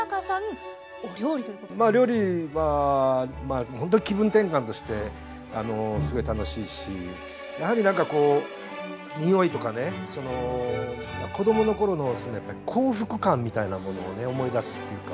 まあ料理はほんとに気分転換としてすごい楽しいしやはり何かこう匂いとかね子供の頃の幸福感みたいなものを思い出すっていうか。